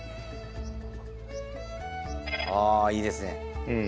ああいいですね。